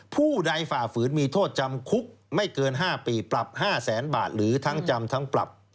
ผู้ใดฝ่าฝืนมีโทษจำคุกไม่เกิน๕ปีปรับ๕แสนบาทหรือทั้งจำทั้งปรับ